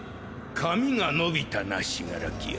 髪が伸びたな死柄木よ。